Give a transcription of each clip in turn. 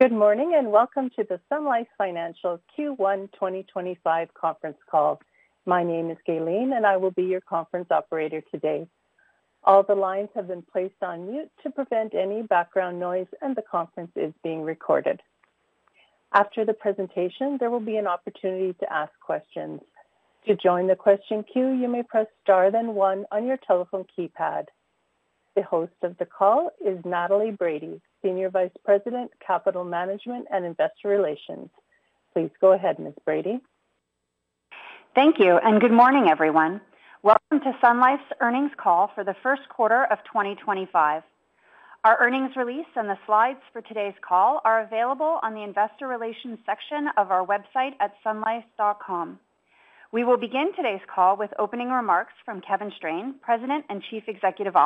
Good morning and welcome to the Sun Life Financial Q1 2025 conference call. My name is Gaylene, and I will be your conference operator today. All the lines have been placed on mute to prevent any background noise, and the conference is being recorded. After the presentation, there will be an opportunity to ask questions. To join the question queue, you may press star then one on your telephone keypad. The host of the call is Natalie Brady, Senior Vice President, Capital Management and Investor Relations. Please go ahead, Ms. Brady. Thank you, and good morning, everyone. Welcome to Sun Life Financial's earnings call for the first quarter of 2025. Our earnings release and the slides for today's call are available on the Investor Relations section of our website at sunlife.com. We will begin today's call with opening remarks from Kevin Strain, President and Chief Executive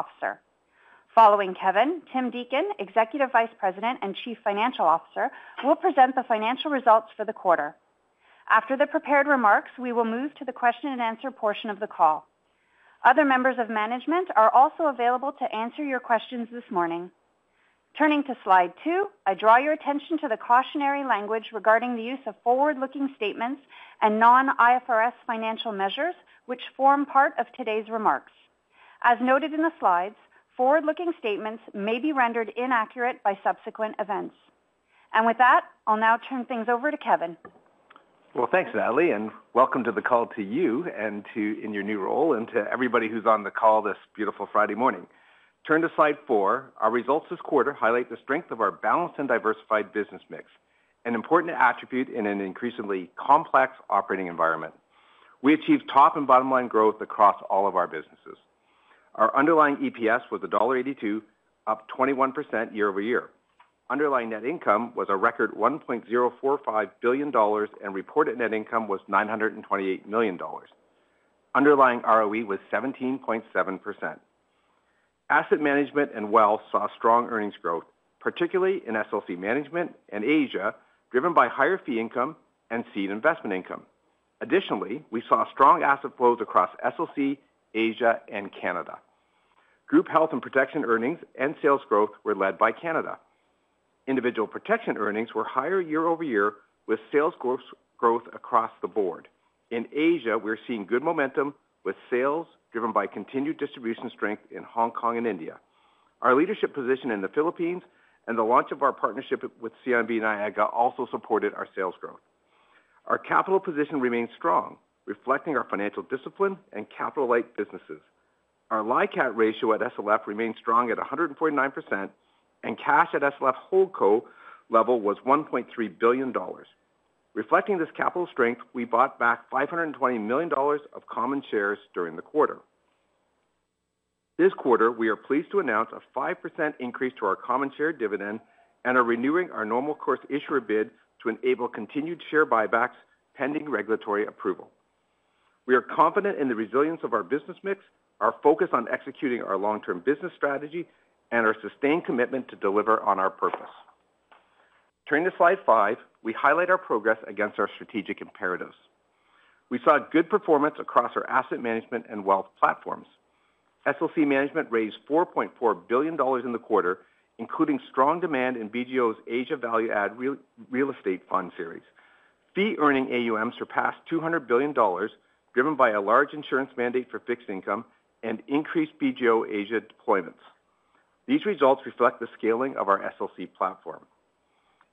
Officer. Following Kevin, Tim Deacon, Executive Vice President and Chief Financial Officer, will present the financial results for the quarter. After the prepared remarks, we will move to the question and answer portion of the call. Other members of management are also available to answer your questions this morning. Turning to slide two, I draw your attention to the cautionary language regarding the use of forward-looking statements and non-IFRS financial measures, which form part of today's remarks. As noted in the slides, forward-looking statements may be rendered inaccurate by subsequent events. With that, I'll now turn things over to Kevin. Thanks, Natalie, and welcome to the call to you and to your new role and to everybody who's on the call this beautiful Friday morning. Turn to slide four. Our results this quarter highlight the strength of our balanced and diversified business mix, an important attribute in an increasingly complex operating environment. We achieved top and bottom line growth across all of our businesses. Our underlying EPS was dollar 1.82, up 21% year-over-year. Underlying net income was a record 1.045 billion dollars, and reported net income was 928 million dollars. Underlying ROE was 17.7%. Asset management and wealth saw strong earnings growth, particularly in SLC Management and Asia, driven by higher fee income and seed investment income. Additionally, we saw strong asset flows across SLC, Asia, and Canada. Group health and protection earnings and sales growth were led by Canada. Individual protection earnings were higher year-over-year, with sales growth across the board. In Asia, we're seeing good momentum, with sales driven by continued distribution strength in Hong Kong and India. Our leadership position in the Philippines and the launch of our partnership with CIMB Niaga also supported our sales growth. Our capital position remains strong, reflecting our financial discipline and capital-light businesses. Our LICAT ratio at SLF remains strong at 149%, and cash at SLF Holdco level was 1.3 billion dollars. Reflecting this capital strength, we bought back 520 million dollars of common shares during the quarter. This quarter, we are pleased to announce a 5% increase to our common share dividend and are renewing our normal course issuer bid to enable continued share buybacks pending regulatory approval. We are confident in the resilience of our business mix, our focus on executing our long-term business strategy, and our sustained commitment to deliver on our purpose. Turning to slide five, we highlight our progress against our strategic imperatives. We saw good performance across our asset management and wealth platforms. SLC Management raised 4.4 billion dollars in the quarter, including strong demand in BGO's Asia Value Add real estate fund series. Fee-earning AUM surpassed 200 billion dollars, driven by a large insurance mandate for fixed income and increased BGO Asia deployments. These results reflect the scaling of our SLC platform.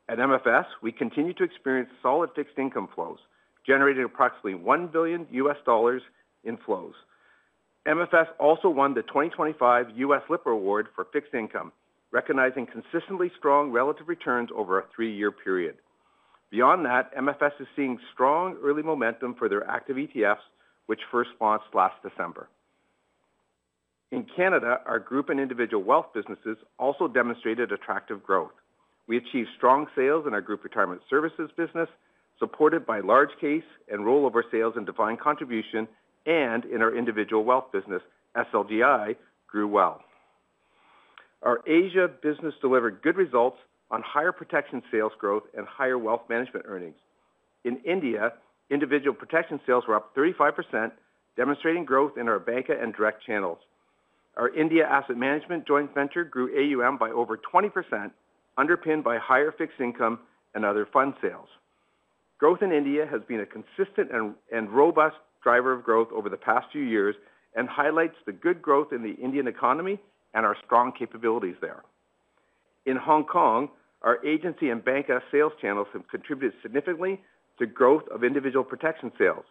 At MFS, we continue to experience solid fixed income flows, generating approximately $1 billion in flows. MFS also won the 2025 US LIPP Award for fixed income, recognizing consistently strong relative returns over a three-year period. Beyond that, MFS is seeing strong early momentum for their active ETFs, which first launched last December. In Canada, our group and individual wealth businesses also demonstrated attractive growth. We achieved strong sales in our group retirement services business, supported by large case and rollover sales in Defined Contribution, and in our individual wealth business, SLGI, grew well. Our Asia business delivered good results on higher protection sales growth and higher wealth management earnings. In India, individual protection sales were up 35%, demonstrating growth in our banker and direct channels. Our India asset management joint venture grew AUM by over 20%, underpinned by higher fixed income and other fund sales. Growth in India has been a consistent and robust driver of growth over the past few years and highlights the good growth in the Indian economy and our strong capabilities there. In Hong Kong, our agency and banker sales channels have contributed significantly to the growth of individual protection sales.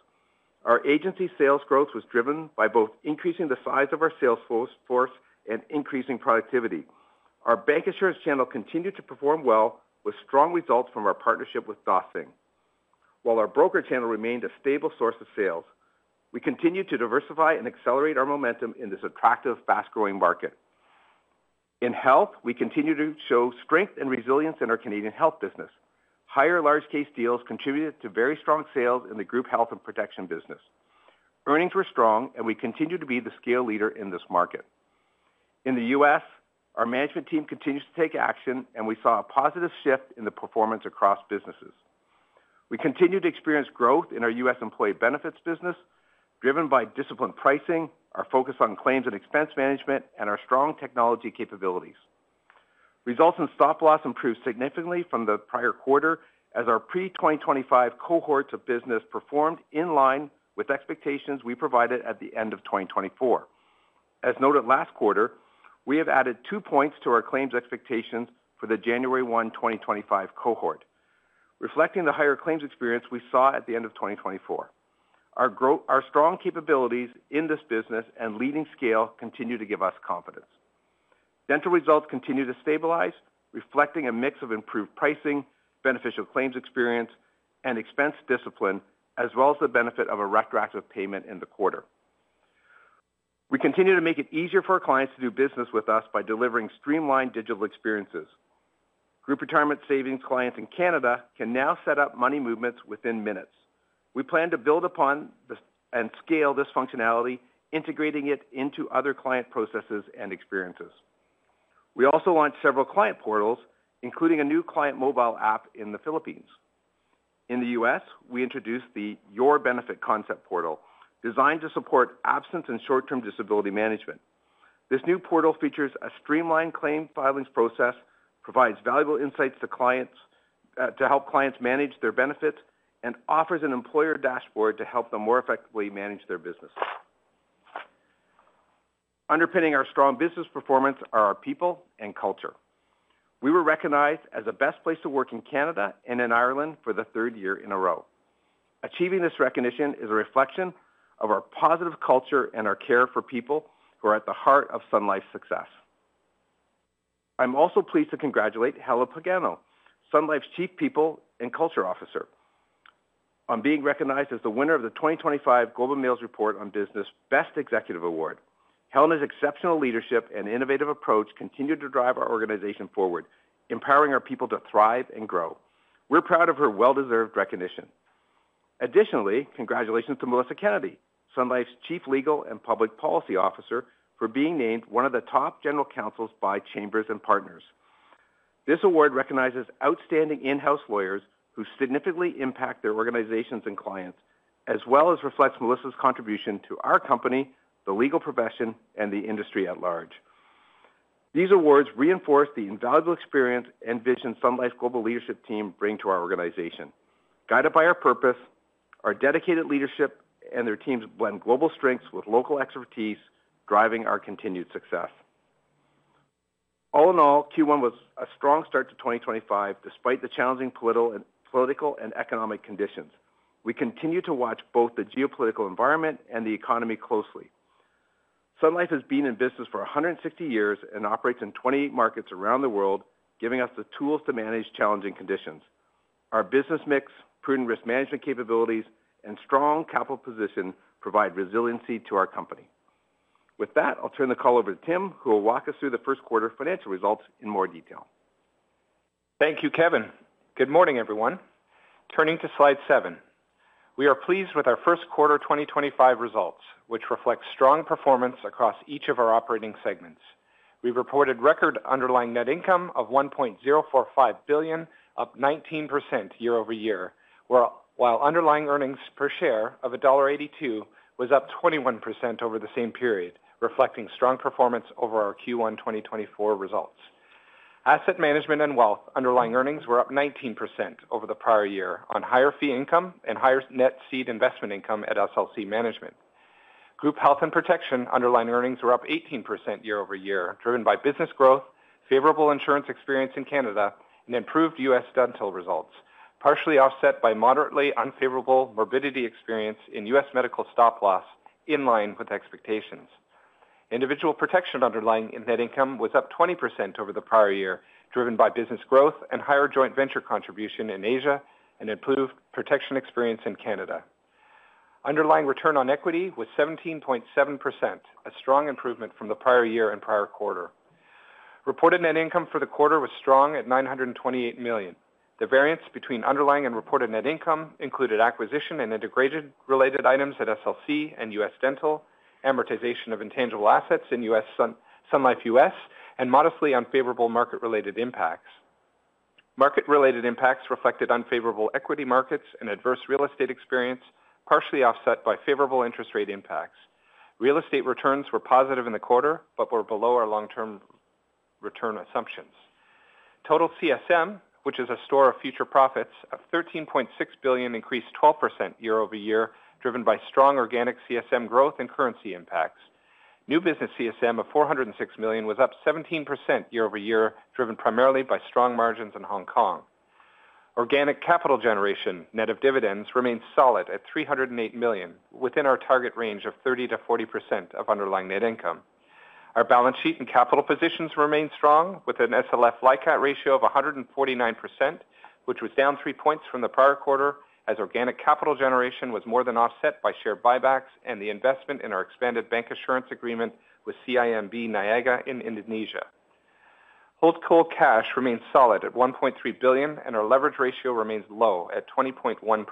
Our agency sales growth was driven by both increasing the size of our sales force and increasing productivity. Our bancassurance channel continued to perform well, with strong results from our partnership with Dongxing. While our broker channel remained a stable source of sales, we continue to diversify and accelerate our momentum in this attractive, fast-growing market. In health, we continue to show strength and resilience in our Canadian health business. Higher large case deals contributed to very strong sales in the group health and protection business. Earnings were strong, and we continue to be the scale leader in this market. In the U.S., our management team continues to take action, and we saw a positive shift in the performance across businesses. We continue to experience growth in our U.S. employee benefits business, driven by disciplined pricing, our focus on claims and expense management, and our strong technology capabilities. Results in stop loss improved significantly from the prior quarter, as our pre-2025 cohorts of business performed in line with expectations we provided at the end of 2024. As noted last quarter, we have added two percentage points to our claims expectations for the January 1, 2025 cohort, reflecting the higher claims experience we saw at the end of 2024. Our strong capabilities in this business and leading scale continue to give us confidence. Dental results continue to stabilize, reflecting a mix of improved pricing, beneficial claims experience, and expense discipline, as well as the benefit of a retroactive payment in the quarter. We continue to make it easier for our clients to do business with us by delivering streamlined digital experiences. Group retirement savings clients in Canada can now set up money movements within minutes. We plan to build upon and scale this functionality, integrating it into other client processes and experiences. We also launched several client portals, including a new client mobile app in the Philippines. In the U.S., we introduced the Your Benefit Concept portal, designed to support absence and short-term disability management. This new portal features a streamlined claim filings process, provides valuable insights to help clients manage their benefits, and offers an employer dashboard to help them more effectively manage their business. Underpinning our strong business performance are our people and culture. We were recognized as the best place to work in Canada and in Ireland for the third year in a row. Achieving this recognition is a reflection of our positive culture and our care for people who are at the heart of Sun Life's success. I'm also pleased to congratulate Helena Pagano, Sun Life's Chief People and Culture Officer, on being recognized as the winner of the 2025 Global Mills Report on Business Best Executive Award. Helen's exceptional leadership and innovative approach continue to drive our organization forward, empowering our people to thrive and grow. We're proud of her well-deserved recognition. Additionally, congratulations to Melissa Kennedy, Sun Life's Chief Legal and Public Policy Officer, for being named one of the top general counsels by Chambers and Partners. This award recognizes outstanding in-house lawyers who significantly impact their organizations and clients, as well as reflects Melissa's contribution to our company, the legal profession, and the industry at large. These awards reinforce the invaluable experience and vision Sun Life's global leadership team brings to our organization. Guided by our purpose, our dedicated leadership, and their teams blend global strengths with local expertise, driving our continued success. All in all, Q1 was a strong start to 2025, despite the challenging political and economic conditions. We continue to watch both the geopolitical environment and the economy closely. Sun Life Financial has been in business for 160 years and operates in 28 markets around the world, giving us the tools to manage challenging conditions. Our business mix, prudent risk management capabilities, and strong capital position provide resiliency to our company. With that, I'll turn the call over to Tim, who will walk us through the first quarter financial results in more detail. Thank you, Kevin. Good morning, everyone. Turning to slide seven, we are pleased with our first quarter 2025 results, which reflect strong performance across each of our operating segments. We have reported record underlying net income of 1.045 billion, up 19% year-over-year, while underlying earnings per share of CAD 1.82 was up 21% over the same period, reflecting strong performance over our Q1 2024 results. Asset management and wealth underlying earnings were up 19% over the prior year on higher fee income and higher net seed investment income at SLC Management. Group health and protection underlying earnings were up 18% year-over-year, driven by business growth, favorable insurance experience in Canada, and improved U.S. dental results, partially offset by moderately unfavorable morbidity experience in U.S. medical stop loss in line with expectations. Individual protection underlying net income was up 20% over the prior year, driven by business growth and higher joint venture contribution in Asia and improved protection experience in Canada. Underlying return on equity was 17.7%, a strong improvement from the prior year and prior quarter. Reported net income for the quarter was strong at 928 million. The variance between underlying and reported net income included acquisition and integration-related items at SLC Management and U.S. dental, amortization of intangible assets in Sun Life U.S., and modestly unfavorable market-related impacts. Market-related impacts reflected unfavorable equity markets and adverse real estate experience, partially offset by favorable interest rate impacts. Real estate returns were positive in the quarter, but were below our long-term return assumptions. Total CSM, which is a store of future profits of 13.6 billion, increased 12% year-over-year, driven by strong organic CSM growth and currency impacts. New business CSM of $406 million was up 17% year-over-year, driven primarily by strong margins in Hong Kong. Organic capital generation net of dividends remained solid at 308 million, within our target range of 30%-40% of underlying net income. Our balance sheet and capital positions remained strong, with an SLF LICAT ratio of 149%, which was down three percentage points from the prior quarter, as organic capital generation was more than offset by share buybacks and the investment in our expanded bancassurance agreement with CIMB Niaga in Indonesia. Holdco cash remained solid at 1.3 billion, and our leverage ratio remains low at 20.1%.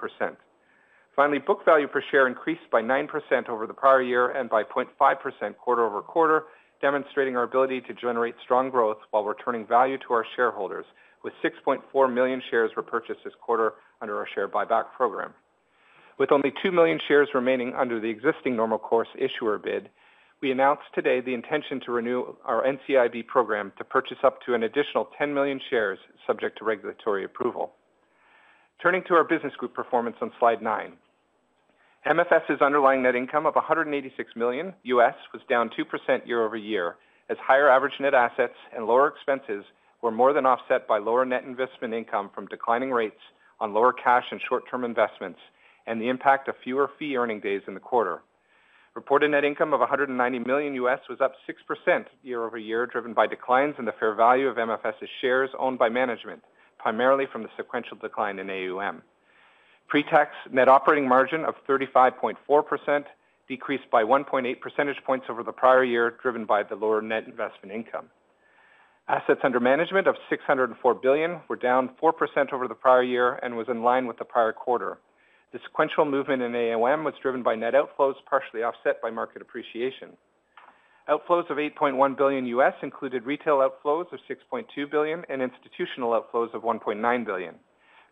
Finally, book value per share increased by 9% over the prior year and by 0.5% quarter-over-quarter, demonstrating our ability to generate strong growth while returning value to our shareholders, with 6.4 million shares repurchased this quarter under our share buyback program. With only 2 million shares remaining under the existing normal course issuer bid, we announced today the intention to renew our NCIB program to purchase up to an additional 10 million shares, subject to regulatory approval. Turning to our business group performance on slide nine, MFS's underlying net income of $186 million was down 2% year-over-year, as higher average net assets and lower expenses were more than offset by lower net investment income from declining rates on lower cash and short-term investments and the impact of fewer fee-earning days in the quarter. Reported net income of $190 million was up 6% year-over-year, driven by declines in the fair value of MFS's shares owned by management, primarily from the sequential decline in AUM. Pretax net operating margin of 35.4% decreased by 1.8 percentage points over the prior year, driven by the lower net investment income. Assets under management of $604 billion were down 4% over the prior year and was in line with the prior quarter. The sequential movement in AUM was driven by net outflows, partially offset by market appreciation. Outflows of $8.1 billion included retail outflows of $6.2 billion and institutional outflows of $1.9 billion.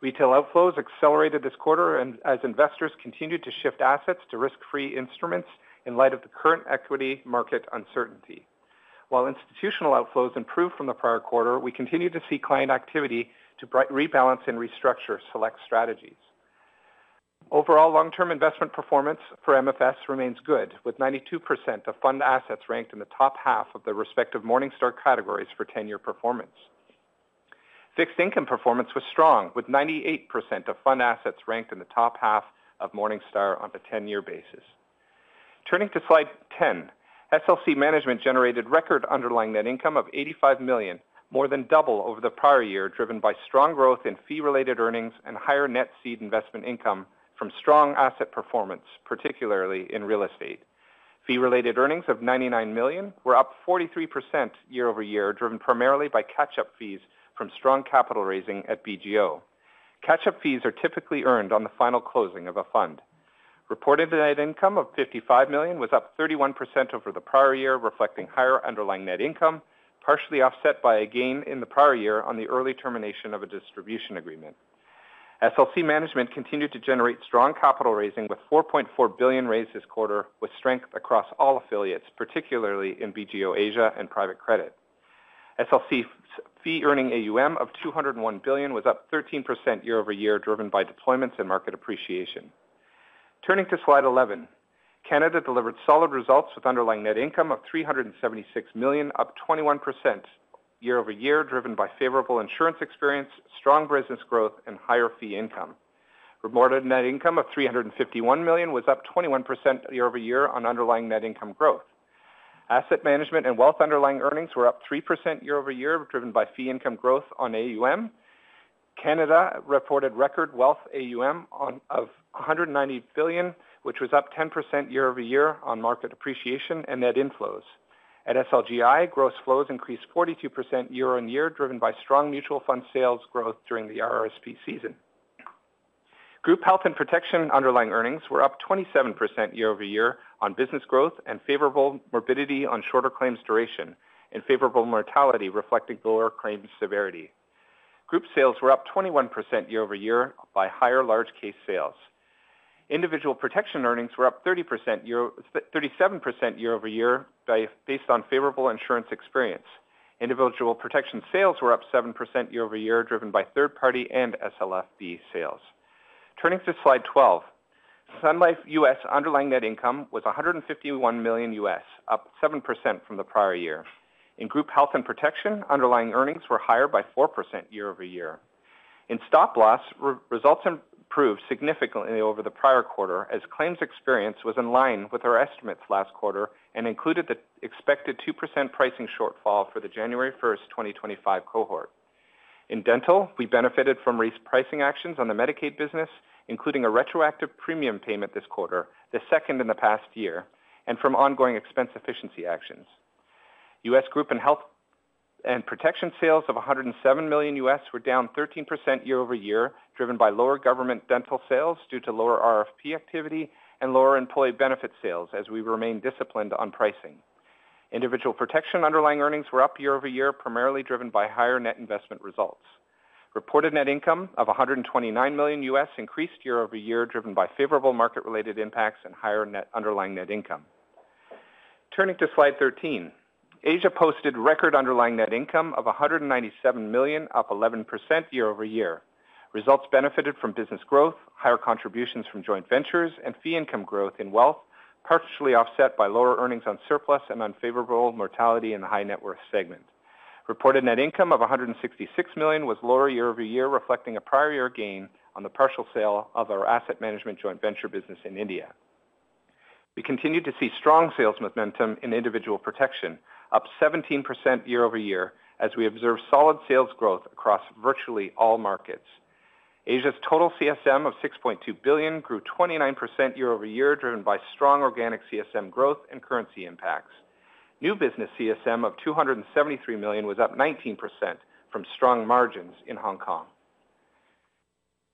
Retail outflows accelerated this quarter as investors continued to shift assets to risk-free instruments in light of the current equity market uncertainty. While institutional outflows improved from the prior quarter, we continued to see client activity to rebalance and restructure select strategies. Overall, long-term investment performance for MFS remains good, with 92% of fund assets ranked in the top half of the respective Morningstar categories for 10-year performance. Fixed income performance was strong, with 98% of fund assets ranked in the top half of Morningstar on a 10-year basis. Turning to slide 10, SLC Management generated record underlying net income of $85 million, more than double over the prior year, driven by strong growth in fee-related earnings and higher net seed investment income from strong asset performance, particularly in real estate. Fee-related earnings of $99 million were up 43% year-over-year, driven primarily by catch-up fees from strong capital raising at BGO. Catch-up fees are typically earned on the final closing of a fund. Reported net income of $55 million was up 31% over the prior year, reflecting higher underlying net income, partially offset by a gain in the prior year on the early termination of a distribution agreement. SLC Management continued to generate strong capital raising with 4.4 billion raised this quarter, with strength across all affiliates, particularly in BGO Asia and private credit. SLC fee-earning AUM of 201 billion was up 13% year-over-year, driven by deployments and market appreciation. Turning to slide 11, Canada delivered solid results with underlying net income of 376 million, up 21% year-over-year, driven by favorable insurance experience, strong business growth, and higher fee income. Reported net income of 351 million was up 21% year-over-year on underlying net income growth. Asset management and wealth underlying earnings were up 3% year-over-year, driven by fee income growth on AUM. Canada reported record wealth AUM of 190 billion, which was up 10% year-over-year on market appreciation and net inflows. At SLGI, gross flows increased 42% year-on -ear, driven by strong mutual fund sales growth during the RRSP season. Group health and protection underlying earnings were up 27% year-over-year on business growth and favorable morbidity on shorter claims duration and favorable mortality, reflecting lower claims severity. Group sales were up 21% year-over-year by higher large case sales. Individual protection earnings were up 37% year-over-year based on favorable insurance experience. Individual protection sales were up 7% year-over-year, driven by third-party and SLFB sales. Turning to slide 12, Sun Life U.S. underlying net income was $151 million, up 7% from the prior year. In group health and protection, underlying earnings were higher by 4% year-over-year. In stop loss, results improved significantly over the prior quarter, as claims experience was in line with our estimates last quarter and included the expected 2% pricing shortfall for the January 1st, 2025 cohort. In dental, we benefited from pricing actions on the Medicaid business, including a retroactive premium payment this quarter, the second in the past year, and from ongoing expense efficiency actions. US group and health and protection sales of $107 million were down 13% year-over-year, driven by lower government dental sales due to lower RRFP activity and lower employee benefit sales as we remain disciplined on pricing. Individual protection underlying earnings were up year-over-year, primarily driven by higher net investment results. Reported net income of $129 million increased year-over-year, driven by favorable market-related impacts and higher underlying net income. Turning to slide 13, Asia posted record underlying net income of $197 million, up 11% year-over-year. Results benefited from business growth, higher contributions from joint ventures, and fee income growth in wealth, partially offset by lower earnings on surplus and unfavorable mortality in the high net worth segment. Reported net income of 166 million was lower year-over-year, reflecting a prior year gain on the partial sale of our asset management joint venture business in India. We continue to see strong sales momentum in individual protection, up 17% year-over-year, as we observe solid sales growth across virtually all markets. Asia's total CSM of 6.2 billion grew 29% year-over-year, driven by strong organic CSM growth and currency impacts. New business CSM of 273 million was up 19% from strong margins in Hong Kong.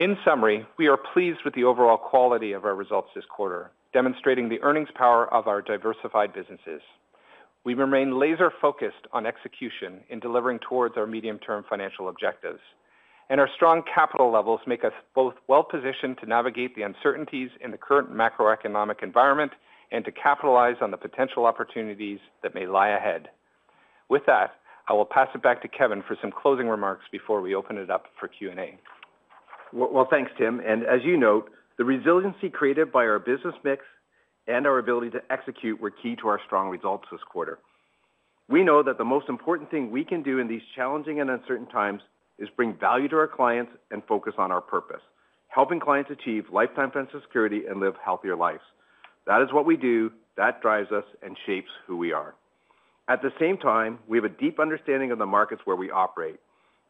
In summary, we are pleased with the overall quality of our results this quarter, demonstrating the earnings power of our diversified businesses. We remain laser-focused on execution in delivering towards our medium-term financial objectives. Our strong capital levels make us both well-positioned to navigate the uncertainties in the current macroeconomic environment and to capitalize on the potential opportunities that may lie ahead. With that, I will pass it back to Kevin for some closing remarks before we open it up for Q&A. Thanks, Tim. As you note, the resiliency created by our business mix and our ability to execute were key to our strong results this quarter. We know that the most important thing we can do in these challenging and uncertain times is bring value to our clients and focus on our purpose, helping clients achieve lifetime financial security and live healthier lives. That is what we do. That drives us and shapes who we are. At the same time, we have a deep understanding of the markets where we operate.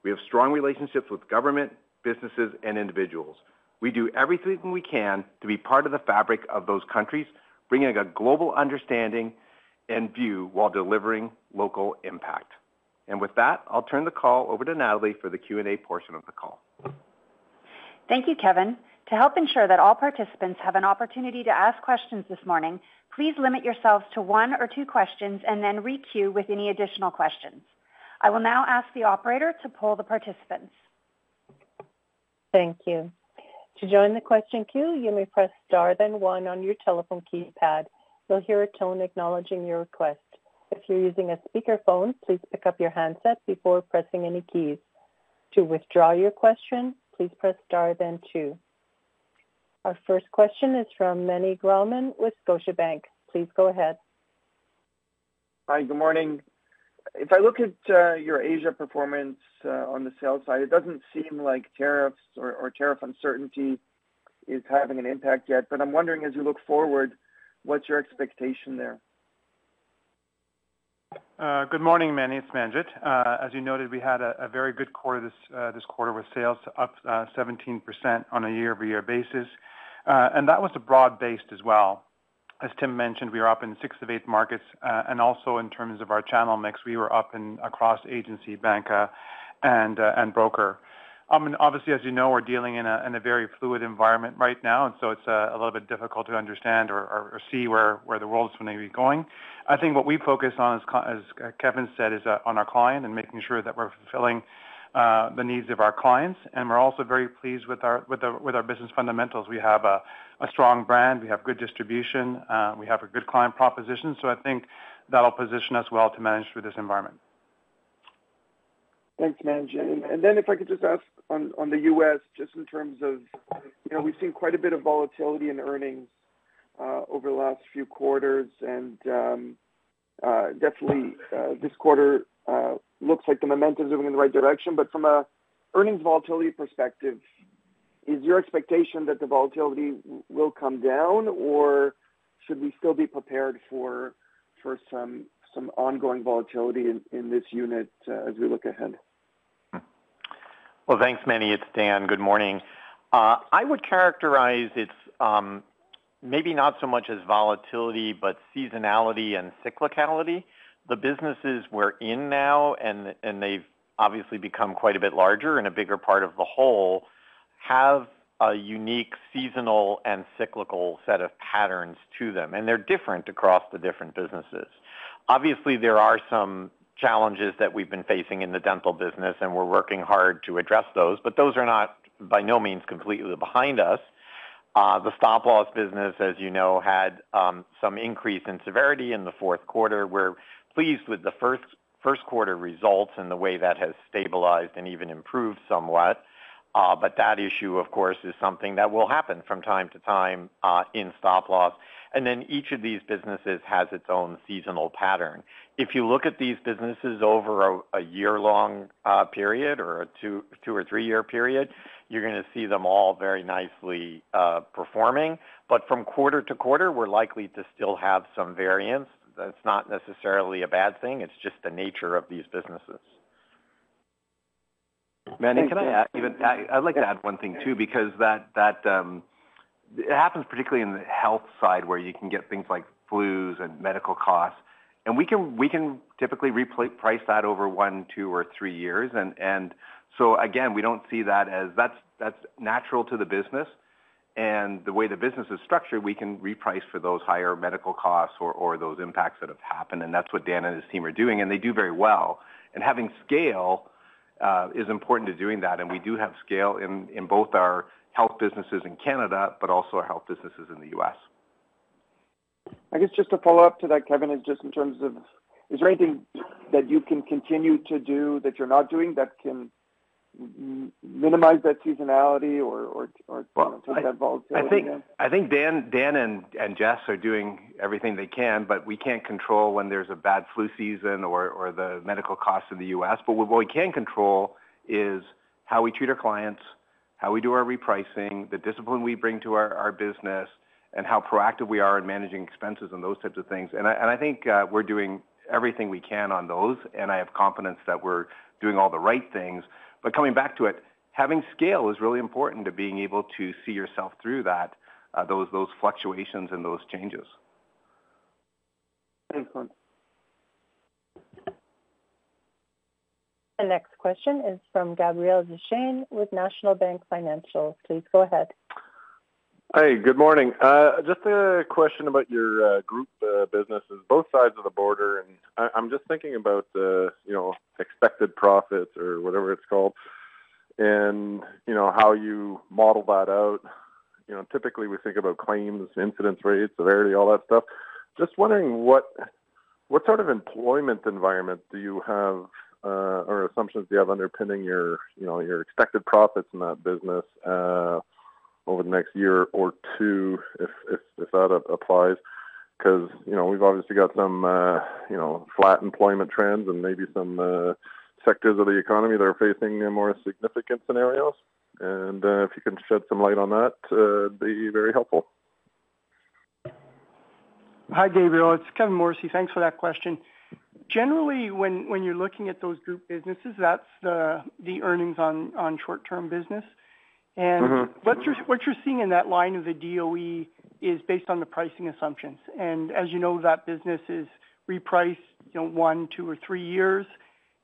We have strong relationships with government, businesses, and individuals. We do everything we can to be part of the fabric of those countries, bringing a global understanding and view while delivering local impact. With that, I'll turn the call over to Natalie for the Q&A portion of the call. Thank you, Kevin. To help ensure that all participants have an opportunity to ask questions this morning, please limit yourselves to one or two questions and then re-queue with any additional questions. I will now ask the operator to poll the participants. Thank you. To join the question queue, you may press star then one on your telephone keypad. You'll hear a tone acknowledging your request. If you're using a speakerphone, please pick up your handset before pressing any keys. To withdraw your question, please press star then two. Our first question is from Meny Grauman with Scotiabank. Please go ahead. Hi, good morning. If I look at your Asia performance on the sales side, it doesn't seem like tariffs or tariff uncertainty is having an impact yet. I am wondering, as you look forward, what's your expectation there? Good morning, Meny, It's Manjit. As you noted, we had a very good quarter this quarter with sales up 17% on a year-over-year basis. That was broad-based as well. As Tim mentioned, we are up in six of eight markets. Also, in terms of our channel mix, we were up across agency, bank, and broker. Obviously, as you know, we're dealing in a very fluid environment right now. It's a little bit difficult to understand or see where the world is going to be going. I think what we focus on, as Kevin said, is on our client and making sure that we're fulfilling the needs of our clients. We're also very pleased with our business fundamentals. We have a strong brand. We have good distribution. We have a good client proposition. I think that'll position us well to manage through this environment. Thanks, Manjit. If I could just ask on the U.S., just in terms of we've seen quite a bit of volatility in earnings over the last few quarters. Definitely, this quarter looks like the momentum is moving in the right direction. From an earnings volatility perspective, is your expectation that the volatility will come down, or should we still be prepared for some ongoing volatility in this unit as we look ahead? Thanks, Meny. It's Dan. Good morning. I would characterize it's maybe not so much as volatility, but seasonality and cyclicality. The businesses we're in now, and they've obviously become quite a bit larger and a bigger part of the whole, have a unique seasonal and cyclical set of patterns to them. They're different across the different businesses. Obviously, there are some challenges that we've been facing in the dental business, and we're working hard to address those. Those are not by no means completely behind us. The stop loss business, as you know, had some increase in severity in the fourth quarter. We're pleased with the first quarter results and the way that has stabilized and even improved somewhat. That issue, of course, is something that will happen from time to time in stop loss. Each of these businesses has its own seasonal pattern. If you look at these businesses over a year-long period or a two or three-year period, you're going to see them all very nicely performing. From quarter to quarter, we're likely to still have some variance. That's not necessarily a bad thing. It's just the nature of these businesses. Meny, can I add? I'd like to add one thing too, because that happens particularly in the health side where you can get things like flus and medical costs. We can typically reprice that over one, two, or three years. Again, we don't see that as that's natural to the business. The way the business is structured, we can reprice for those higher medical costs or those impacts that have happened. That is what Dan and his team are doing. They do very well. Having scale is important to doing that. We do have scale in both our health businesses in Canada, but also our health businesses in the U.S. I guess just to follow up to that, Kevin, is just in terms of is there anything that you can continue to do that you're not doing that can minimize that seasonality or take that volatility? I think Dan and Jess are doing everything they can, but we can't control when there's a bad flu season or the medical costs in the U.S. What we can control is how we treat our clients, how we do our repricing, the discipline we bring to our business, and how proactive we are in managing expenses and those types of things. I think we're doing everything we can on those. I have confidence that we're doing all the right things. Coming back to it, having scale is really important to being able to see yourself through those fluctuations and those changes. Excellent. The next question is from Gabriel Dechaine with National Bank Financial. Please go ahead. Hi, good morning. Just a question about your group businesses. Both sides of the border. I'm just thinking about expected profits or whatever it's called and how you model that out. Typically, we think about claims, incident rates, severity, all that stuff. Just wondering what sort of employment environment do you have or assumptions do you have underpinning your expected profits in that business over the next year or two, if that applies? Because we've obviously got some flat employment trends and maybe some sectors of the economy that are facing more significant scenarios. If you can shed some light on that, that'd be very helpful. Hi, Gabriel. It's Kevin Morrissey. Thanks for that question. Generally, when you're looking at those group businesses, that's the earnings on short-term business. What you're seeing in that line of the DOE is based on the pricing assumptions. As you know, that business is repriced one, two, or three years.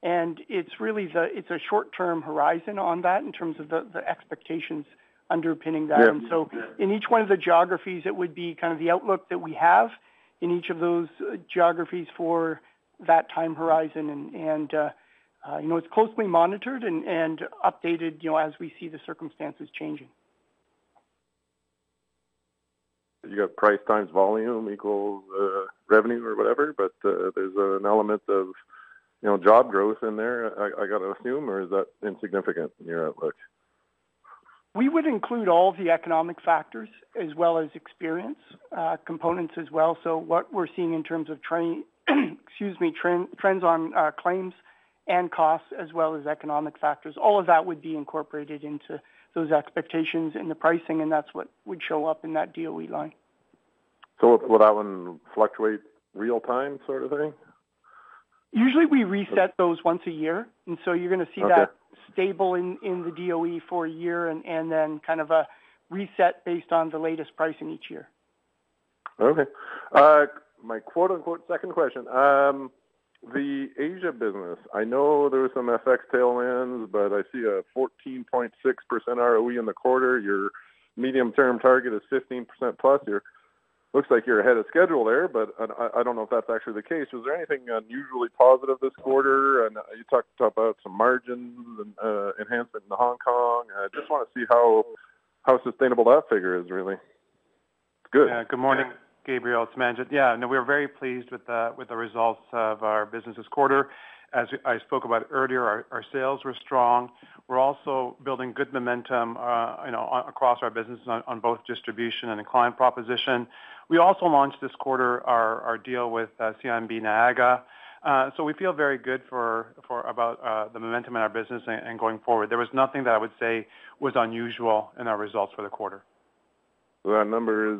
It's really a short-term horizon on that in terms of the expectations underpinning that. In each one of the geographies, it would be kind of the outlook that we have in each of those geographies for that time horizon. It's closely monitored and updated as we see the circumstances changing. You got price times volume equals revenue or whatever. There is an element of job growth in there, I got to assume, or is that insignificant in your outlook? We would include all of the economic factors as well as experience components as well. What we're seeing in terms of, excuse me, trends on claims and costs as well as economic factors, all of that would be incorporated into those expectations in the pricing. That is what would show up in that DOE line. Would that one fluctuate real-time sort of thing? Usually, we reset those once a year. You are going to see that stable in the DOE for a year and then kind of a reset based on the latest pricing each year. Okay. My quote-unquote second question. The Asia business, I know there are some FX tailwinds, but I see a 14.6% ROE in the quarter. Your medium-term target is 15%+. Looks like you're ahead of schedule there, but I don't know if that's actually the case. Was there anything unusually positive this quarter? You talked about some margins and enhancement in Hong Kong. I just want to see how sustainable that figure is, really. Good. Yeah. Good morning, Gabriel. It's Manjit. Yeah. No, we're very pleased with the results of our business this quarter. As I spoke about earlier, our sales were strong. We're also building good momentum across our business on both distribution and client proposition. We also launched this quarter our deal with CIMB Niaga. So we feel very good about the momentum in our business and going forward. There was nothing that I would say was unusual in our results for the quarter. That number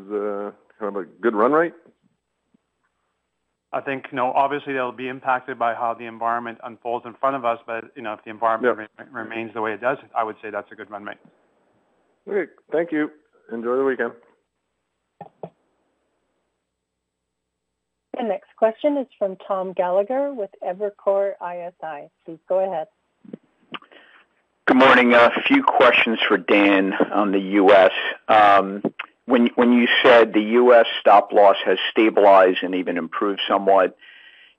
is kind of a good run rate? I think, no. Obviously, that'll be impacted by how the environment unfolds in front of us. If the environment remains the way it does, I would say that's a good run rate. Okay. Thank you. Enjoy the weekend. The next question is from Tom Gallagher with Evercore ISI. Please go ahead. Good morning. A few questions for Dan on the U.S. When you said the U.S. stop loss has stabilized and even improved somewhat,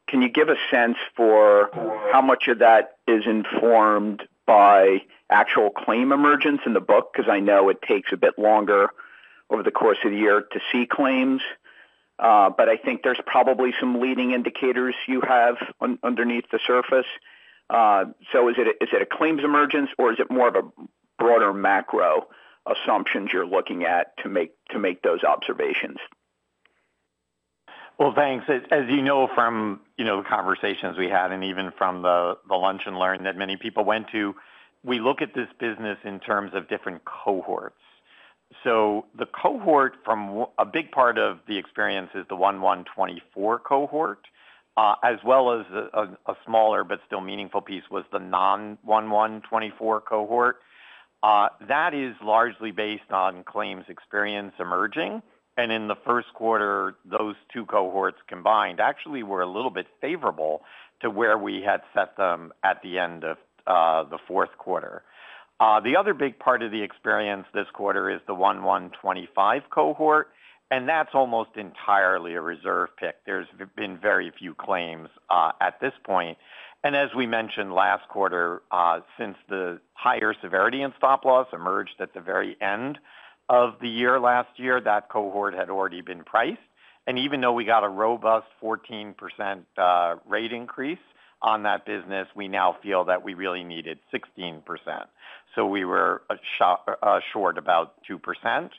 can you give a sense for how much of that is informed by actual claim emergence in the book? Because I know it takes a bit longer over the course of the year to see claims. I think there are probably some leading indicators you have underneath the surface. Is it a claims emergence, or is it more of a broader macro assumptions you are looking at to make those observations? Thanks. As you know from the conversations we had and even from the lunch and learn that many people went to, we look at this business in terms of different cohorts. The cohort from a big part of the experience is the 1124 cohort, as well as a smaller but still meaningful piece was the non-1124 cohort. That is largely based on claims experience emerging. In the first quarter, those two cohorts combined actually were a little bit favorable to where we had set them at the end of the fourth quarter. The other big part of the experience this quarter is the 1125 cohort. That is almost entirely a reserve pick. There have been very few claims at this point. As we mentioned last quarter, since the higher severity and stop loss emerged at the very end of the year last year, that cohort had already been priced. Even though we got a robust 14% rate increase on that business, we now feel that we really needed 16%. We were short about 2%.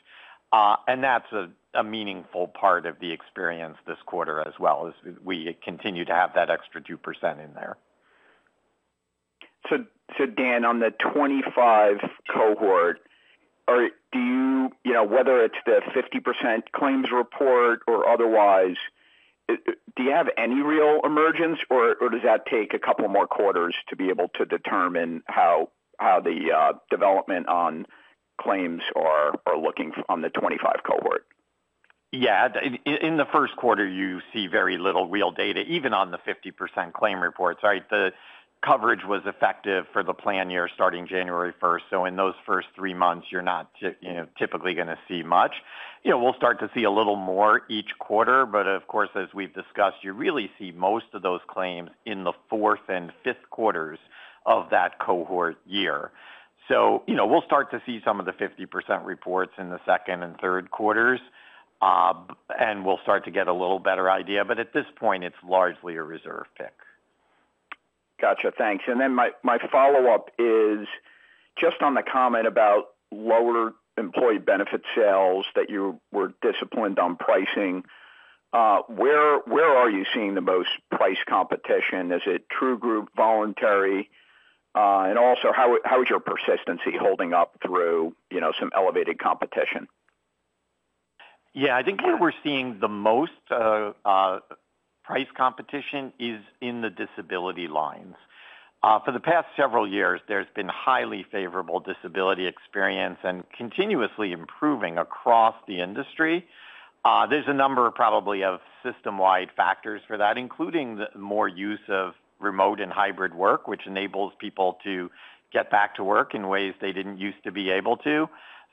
That's a meaningful part of the experience this quarter as well as we continue to have that extra 2% in there. Dan, on the 25 cohort, whether it's the 50% claims report or otherwise, do you have any real emergence, or does that take a couple more quarters to be able to determine how the development on claims are looking on the 25 cohort? Yeah. In the first quarter, you see very little real data, even on the 50% claim reports. Right? The coverage was effective for the plan year starting January 1st. In those first three months, you're not typically going to see much. We'll start to see a little more each quarter. Of course, as we've discussed, you really see most of those claims in the fourth and fifth quarters of that cohort year. We'll start to see some of the 50% reports in the second and third quarters. We'll start to get a little better idea. At this point, it's largely a reserve pick. Gotcha. Thanks. My follow-up is just on the comment about lower employee benefit sales that you were disciplined on pricing. Where are you seeing the most price competition? Is it true group, voluntary? Also, how is your persistency holding up through some elevated competition? Yeah. I think where we're seeing the most price competition is in the disability lines. For the past several years, there's been highly favorable disability experience and continuously improving across the industry. There's a number probably of system-wide factors for that, including the more use of remote and hybrid work, which enables people to get back to work in ways they didn't used to be able to.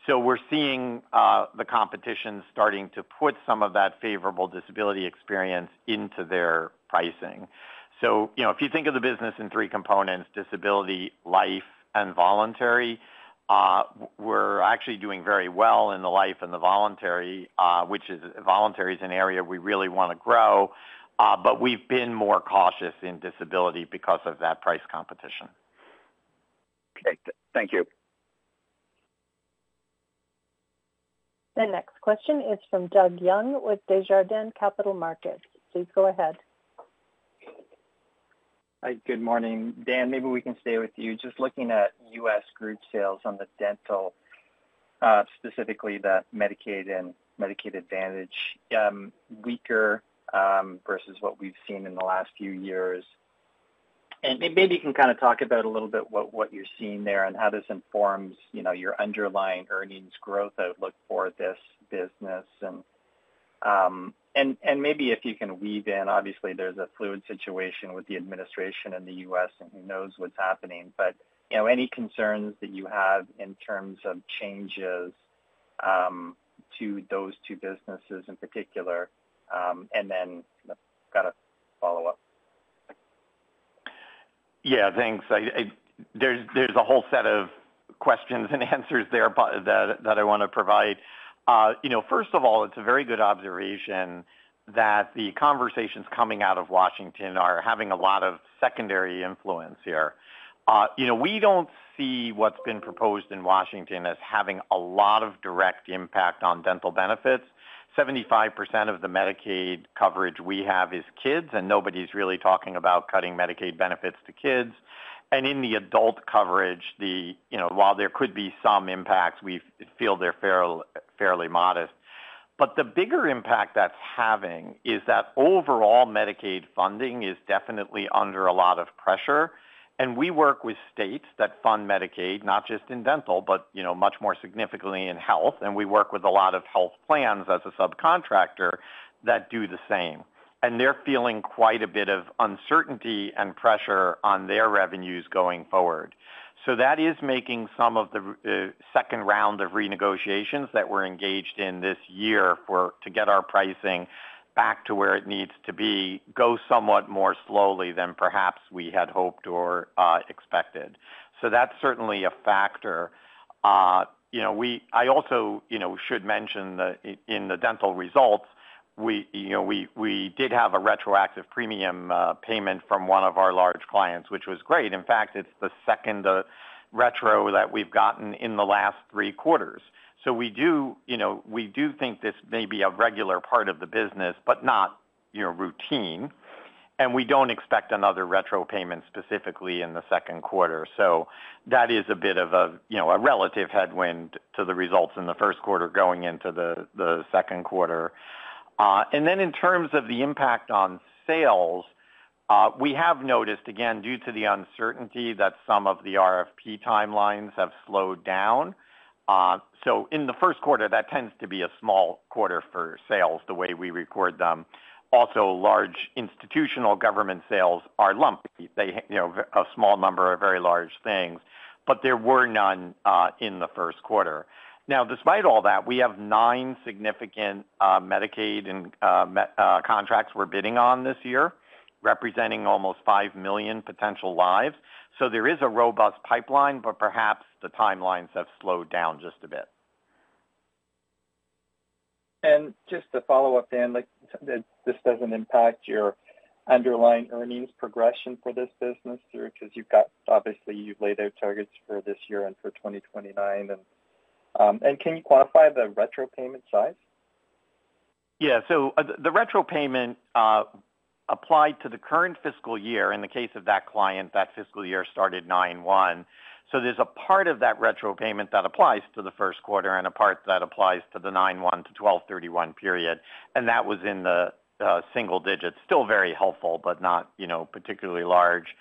We're seeing the competition starting to put some of that favorable disability experience into their pricing. If you think of the business in three components: disability, life, and voluntary, we're actually doing very well in the life and the voluntary, which is voluntary is an area we really want to grow. We've been more cautious in disability because of that price competition. Okay. Thank you. The next question is from Doug Young with Desjardins Capital Markets. Please go ahead. Hi, good morning. Dan, maybe we can stay with you. Just looking at U.S. group sales on the dental, specifically that Medicaid and Medicaid Advantage, weaker versus what we've seen in the last few years. Maybe you can kind of talk about a little bit what you're seeing there and how this informs your underlying earnings growth that would look for this business. Maybe if you can weave in, obviously, there's a fluid situation with the administration in the U.S., and who knows what's happening. Any concerns that you have in terms of changes to those two businesses in particular? I have a follow-up. Yeah. Thanks. There's a whole set of questions and answers there that I want to provide. First of all, it's a very good observation that the conversations coming out of Washington are having a lot of secondary influence here. We don't see what's been proposed in Washington as having a lot of direct impact on dental benefits. 75% of the Medicaid coverage we have is kids, and nobody's really talking about cutting Medicaid benefits to kids. In the adult coverage, while there could be some impacts, we feel they're fairly modest. The bigger impact that's having is that overall Medicaid funding is definitely under a lot of pressure. We work with states that fund Medicaid, not just in dental, but much more significantly in health. We work with a lot of health plans as a subcontractor that do the same. They are feeling quite a bit of uncertainty and pressure on their revenues going forward. That is making some of the second round of renegotiations that we are engaged in this year to get our pricing back to where it needs to be go somewhat more slowly than perhaps we had hoped or expected. That is certainly a factor. I also should mention that in the dental results, we did have a retroactive premium payment from one of our large clients, which was great. In fact, it is the second retro that we have gotten in the last three quarters. We do think this may be a regular part of the business, but not routine. We do not expect another retro payment specifically in the second quarter. That is a bit of a relative headwind to the results in the first quarter going into the second quarter. In terms of the impact on sales, we have noticed, again, due to the uncertainty that some of the RFP timelines have slowed down. In the first quarter, that tends to be a small quarter for sales the way we record them. Also, large institutional government sales are lumpy. A small number are very large things. There were none in the first quarter. Despite all that, we have nine significant Medicaid contracts we're bidding on this year, representing almost 5 million potential lives. There is a robust pipeline, but perhaps the timelines have slowed down just a bit. Just to follow up, Dan, this does not impact your underlying earnings progression for this business, sir, because obviously, you have laid out targets for this year and for 2029. Can you quantify the retro payment size? Yeah. The retro payment applied to the current fiscal year. In the case of that client, that fiscal year started 9/1. There is a part of that retro payment that applies to the first quarter and a part that applies to the 9/1-12/31 period. That was in the single digits. Still very helpful, but not particularly large.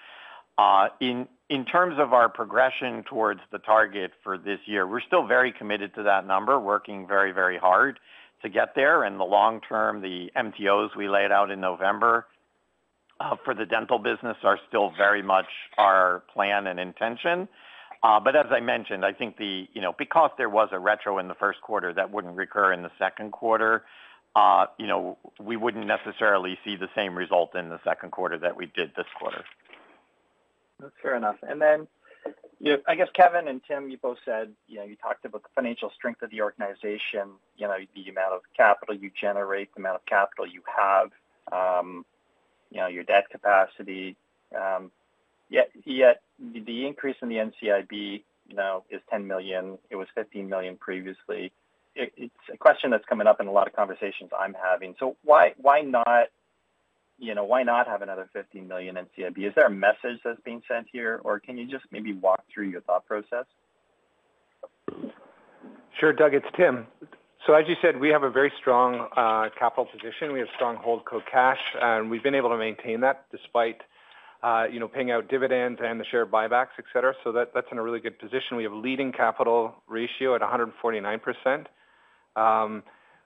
In terms of our progression towards the target for this year, we're still very committed to that number, working very, very hard to get there. The long term, the MTOs we laid out in November for the dental business are still very much our plan and intention. As I mentioned, I think because there was a retro in the first quarter that would not recur in the second quarter, we would not necessarily see the same result in the second quarter that we did this quarter. That's fair enough. I guess Kevin and Tim, you both said you talked about the financial strength of the organization, the amount of capital you generate, the amount of capital you have, your debt capacity. Yet the increase in the NCIB is 10 million. It was 15 million previously. It's a question that's coming up in a lot of conversations I'm having. Why not have another 15 million NCIB? Is there a message that's being sent here? Can you just maybe walk through your thought process? Sure, Doug. It's Tim. As you said, we have a very strong capital position. We have strong hold co-cash. We have been able to maintain that despite paying out dividends and the share buybacks, etc. That is in a really good position. We have a leading capital ratio at 149%.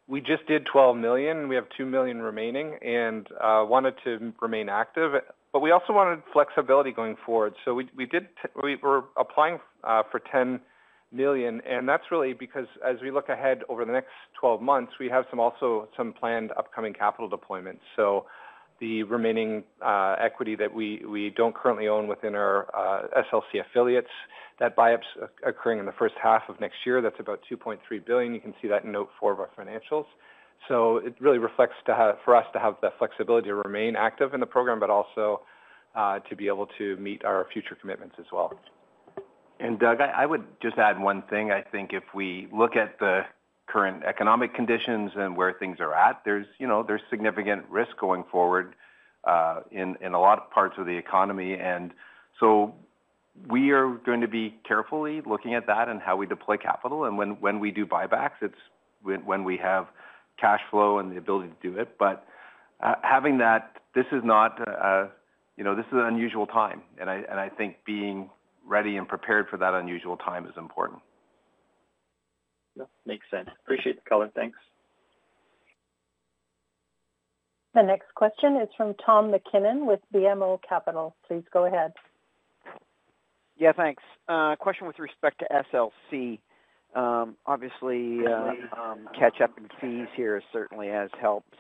We just did $12 million. We have $2 million remaining and wanted to remain active. We also wanted flexibility going forward. We were applying for $10 million. That is really because as we look ahead over the next 12 months, we have also some planned upcoming capital deployments. The remaining equity that we do not currently own within our SLC affiliates, that buyup is occurring in the first half of next year. That is about $2.3 billion. You can see that in note four of our financials. It really reflects for us to have that flexibility to remain active in the program, but also to be able to meet our future commitments as well. Doug, I would just add one thing. I think if we look at the current economic conditions and where things are at, there's significant risk going forward in a lot of parts of the economy. We are going to be carefully looking at that and how we deploy capital. When we do buybacks, it's when we have cash flow and the ability to do it. Having that, this is not an unusual time. I think being ready and prepared for that unusual time is important. Makes sense. Appreciate the color. Thanks. The next question is from Tom MacKinnon with BMO Capital. Please go ahead. Yeah. Thanks. Question with respect to SLC. Obviously, catch-up in fees here certainly has helped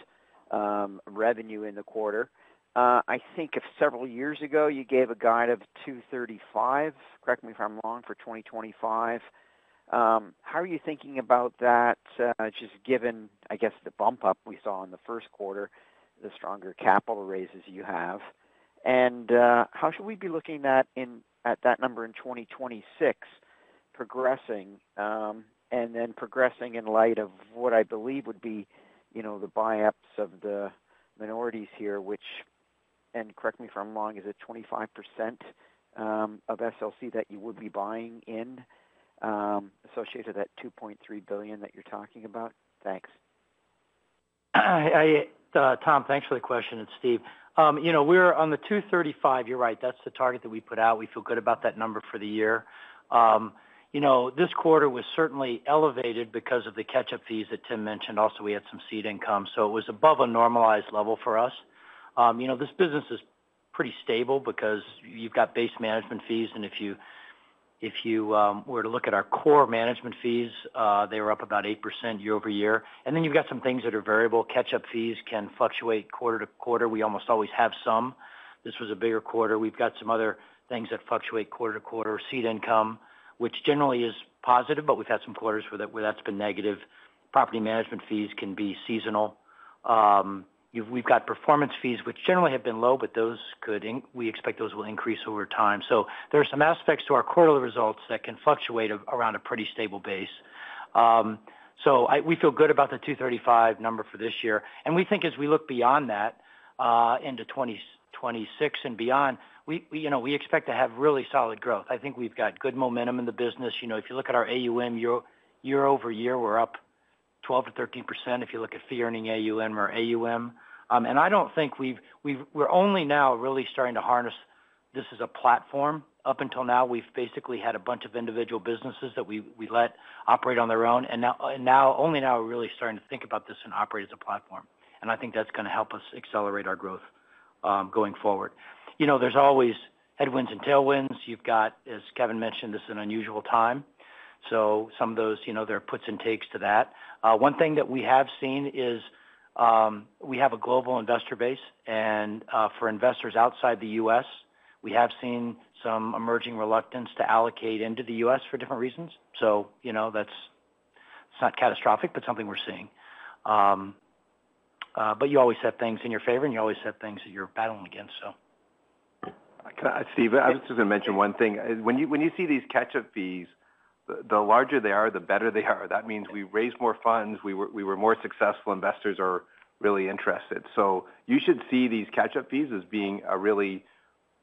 revenue in the quarter. I think several years ago, you gave a guide of 235, correct me if I'm wrong, for 2025. How are you thinking about that, just given, I guess, the bump-up we saw in the first quarter, the stronger capital raises you have? How should we be looking at that number in 2026 progressing and then progressing in light of what I believe would be the buyups of the minorities here, which, and correct me if I'm wrong, is it 25% of SLC that you would be buying in associated with that $2.3 billion that you're talking about? Thanks. Tom, thanks for the question. It's Steve. We're on the 235. You're right. That's the target that we put out. We feel good about that number for the year. This quarter was certainly elevated because of the catch-up fees that Tim mentioned. Also, we had some seed income. It was above a normalized level for us. This business is pretty stable because you've got base management fees. If you were to look at our core management fees, they were up about 8% year-over-year. You've got some things that are variable. Catch-up fees can fluctuate quarter to quarter. We almost always have some. This was a bigger quarter. We've got some other things that fluctuate quarter to quarter. Seed income, which generally is positive, but we've had some quarters where that's been negative. Property management fees can be seasonal. We've got performance fees, which generally have been low, but we expect those will increase over time. There are some aspects to our quarterly results that can fluctuate around a pretty stable base. We feel good about the 235 number for this year. We think as we look beyond that into 2026 and beyond, we expect to have really solid growth. I think we've got good momentum in the business. If you look at our AUM, year-over-year, we're up 12%-13% if you look at fee-earning AUM or AUM. I don't think we're only now really starting to harness this as a platform. Up until now, we've basically had a bunch of individual businesses that we let operate on their own. Now, only now, we're really starting to think about this and operate as a platform. I think that's going to help us accelerate our growth going forward. There are always headwinds and tailwinds. You've got, as Kevin mentioned, this is an unusual time. Some of those, there are puts and takes to that. One thing that we have seen is we have a global investor base. For investors outside the U.S., we have seen some emerging reluctance to allocate into the U.S. for different reasons. That's not catastrophic, but something we're seeing. You always have things in your favor, and you always have things that you're battling against. Steve, I just want to mention one thing. When you see these catch-up fees, the larger they are, the better they are. That means we raise more funds. We were more successful. Investors are really interested. You should see these catch-up fees as being a really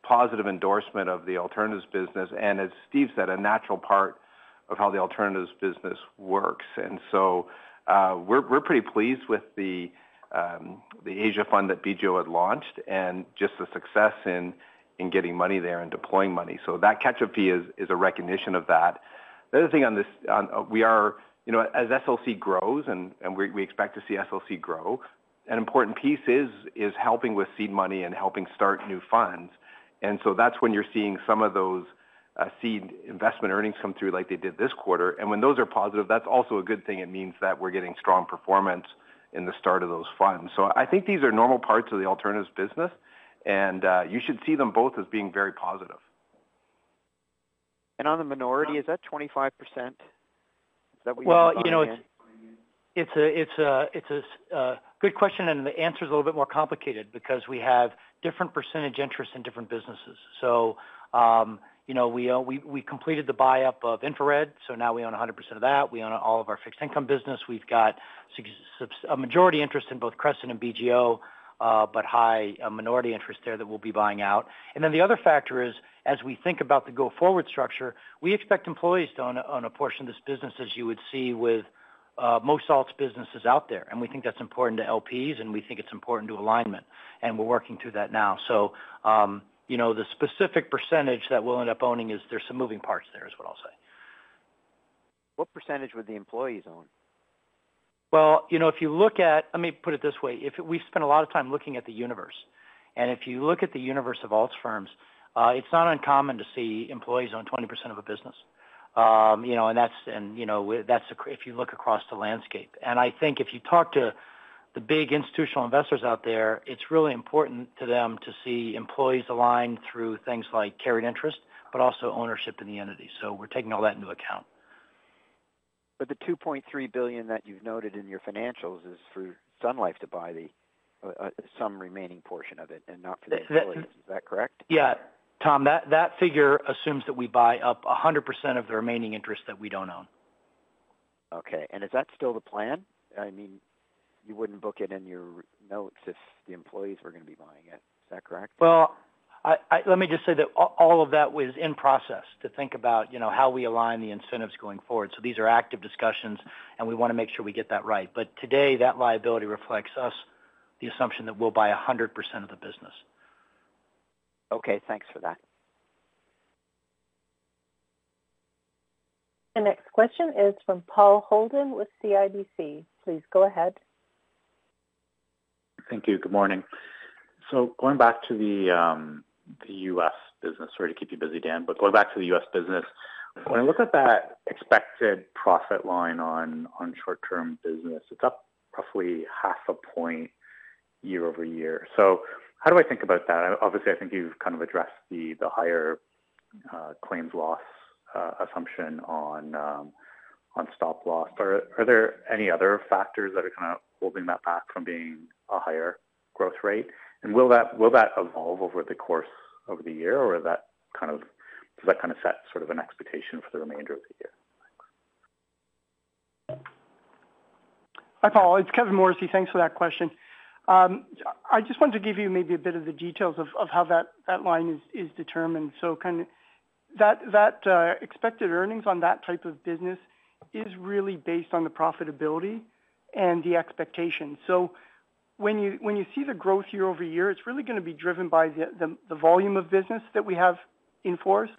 positive endorsement of the alternatives business and, as Steve said, a natural part of how the alternatives business works. We're pretty pleased with the Asia fund that BGO had launched and just the success in getting money there and deploying money. That catch-up fee is a recognition of that. The other thing on this, as SLC grows, and we expect to see SLC grow, an important piece is helping with seed money and helping start new funds. That's when you're seeing some of those seed investment earnings come through like they did this quarter. When those are positive, that's also a good thing. It means that we're getting strong performance in the start of those funds. I think these are normal parts of the alternatives business and you should see them both as being very positive. On the minority, is that 25%? Is that what you're saying? It's a good question. The answer is a little bit more complicated because we have different percentages interests in different businesses. We completed the buyup of InfraRed, so now we own 100% of that. We own all of our fixed income business. We've got a majority interest in both Crescent and BGO, but high minority interest there that we'll be buying out. The other factor is, as we think about the go-forward structure, we expect employees to own a portion of this business as you would see with most SLC businesses out there. We think that's important to LPs, and we think it's important to alignment. We're working through that now. The specific % that we'll end up owning is there's some moving parts there is what I'll say. What percentage would the employees own? If you look at, let me put it this way. We spend a lot of time looking at the universe. If you look at the universe of all firms, it's not uncommon to see employees own 20% of a business. That's if you look across the landscape. I think if you talk to the big institutional investors out there, it's really important to them to see employees align through things like carried interest, but also ownership in the entity. We're taking all that into account. The $2.3 billion that you've noted in your financials is for Sun Life to buy some remaining portion of it and not for the employees. Is that correct? Yeah. Tom, that figure assumes that we buy up 100% of the remaining interest that we don't own. Okay. Is that still the plan? I mean, you would not book it in your notes if the employees were going to be buying it. Is that correct? Let me just say that all of that was in process to think about how we align the incentives going forward. These are active discussions, and we want to make sure we get that right. Today, that liability reflects us the assumption that we'll buy 100% of the business. Okay. Thanks for that. The next question is from Paul Holden with CIBC. Please go ahead. Thank you. Good morning. Going back to the U.S. business, sorry to keep you busy, Dan, but going back to the U.S. business, when I look at that expected profit line on short-term business, it is up roughly half a percentage point year-over-year. How do I think about that? Obviously, I think you have kind of addressed the higher claims loss assumption on stop loss. Are there any other factors that are kind of holding that back from being a higher growth rate? Will that evolve over the course of the year? Does that kind of set sort of an expectation for the remainder of the year? Hi, Paul. It's Kevin Morrissey. Thanks for that question. I just wanted to give you maybe a bit of the details of how that line is determined. Kind of that expected earnings on that type of business is really based on the profitability and the expectation. When you see the growth year-over-year, it's really going to be driven by the volume of business that we have in force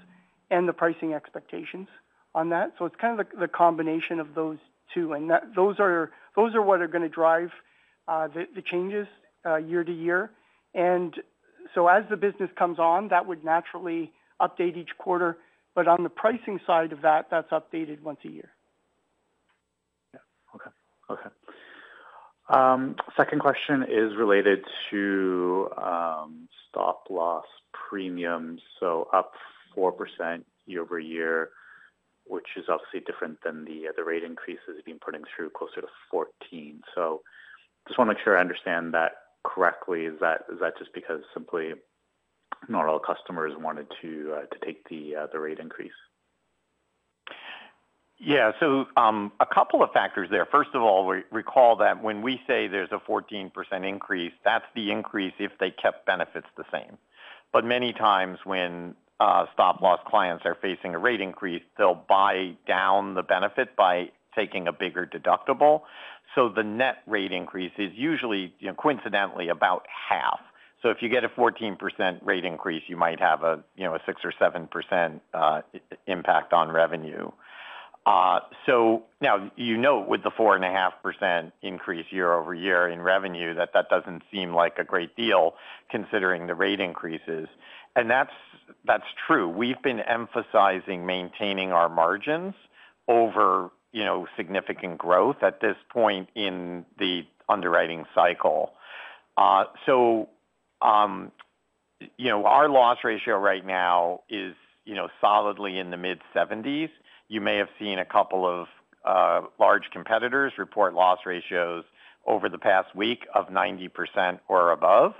and the pricing expectations on that. It's kind of the combination of those two. Those are what are going to drive the changes year to year. As the business comes on, that would naturally update each quarter. On the pricing side of that, that's updated once a year. Yeah. Okay. Okay. Second question is related to stop loss premiums. Up 4% year-over-year, which is obviously different than the rate increases being put in through closer to 14%. I just want to make sure I understand that correctly. Is that just because simply not all customers wanted to take the rate increase? Yeah. So a couple of factors there. First of all, recall that when we say there's a 14% increase, that's the increase if they kept benefits the same. But many times when stop loss clients are facing a rate increase, they'll buy down the benefit by taking a bigger deductible. So the net rate increase is usually, coincidentally, about half. So if you get a 14% rate increase, you might have a 6%-7% impact on revenue. So now, you know with the 4.5% increase year-over-year in revenue, that that does not seem like a great deal considering the rate increases. That is true. We've been emphasizing maintaining our margins over significant growth at this point in the underwriting cycle. Our loss ratio right now is solidly in the mid-70s. You may have seen a couple of large competitors report loss ratios over the past week of 90% or above.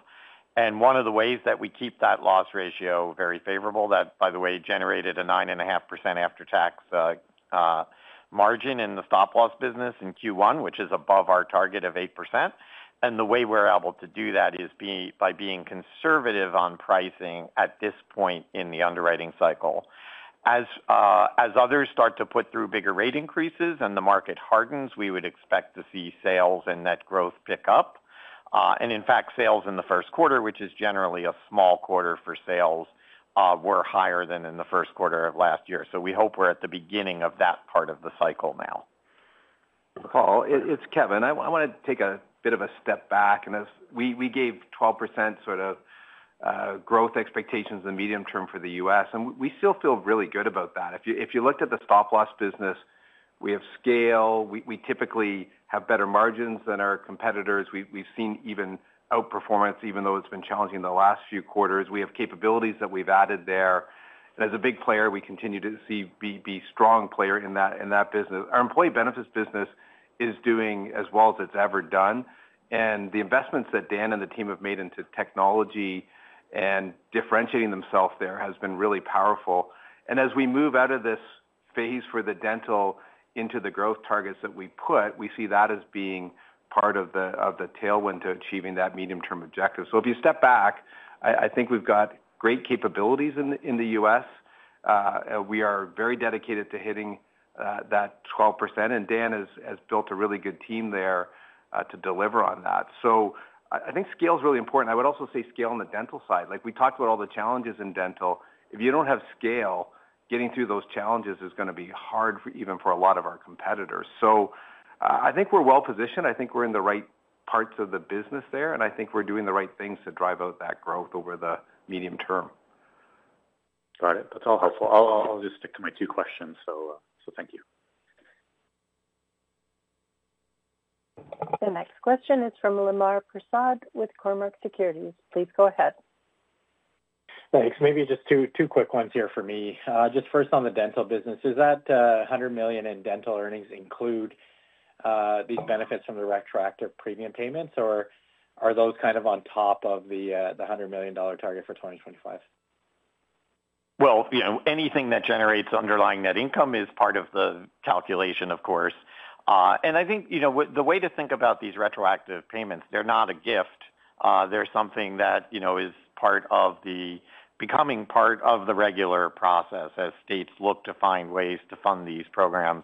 One of the ways that we keep that loss ratio very favorable, that, by the way, generated a 9.5% after-tax margin in the stop loss business in Q1, which is above our target of 8%. The way we're able to do that is by being conservative on pricing at this point in the underwriting cycle. As others start to put through bigger rate increases and the market hardens, we would expect to see sales and net growth pick up. In fact, sales in the first quarter, which is generally a small quarter for sales, were higher than in the first quarter of last year. We hope we're at the beginning of that part of the cycle now. Paul, it's Kevin. I want to take a bit of a step back. We gave 12% sort of growth expectations in the medium term for the U.S., and we still feel really good about that. If you looked at the stop loss business, we have scale. We typically have better margins than our competitors. We've seen even outperformance, even though it's been challenging the last few quarters. We have capabilities that we've added there. As a big player, we continue to be a strong player in that business. Our employee benefits business is doing as well as it's ever done. The investments that Dan and the team have made into technology and differentiating themselves there has been really powerful. As we move out of this phase for the dental into the growth targets that we put, we see that as being part of the tailwind to achieving that medium-term objective. If you step back, I think we've got great capabilities in the U.S. We are very dedicated to hitting that 12%. Dan has built a really good team there to deliver on that. I think scale is really important. I would also say scale on the dental side. We talked about all the challenges in dental. If you do not have scale, getting through those challenges is going to be hard even for a lot of our competitors. I think we're well positioned. I think we're in the right parts of the business there. I think we're doing the right things to drive out that growth over the medium term. Got it. That is all helpful. I will just stick to my two questions. Thank you. The next question is from Lemar Persaud with Cormark Securities. Please go ahead. Thanks. Maybe just two quick ones here for me. Just first on the dental business, is that $100 million in dental earnings include these benefits from the retroactive premium payments? Or are those kind of on top of the $100 million target for 2025? Anything that generates underlying net income is part of the calculation, of course. I think the way to think about these retroactive payments, they're not a gift. They're something that is becoming part of the regular process as states look to find ways to fund these programs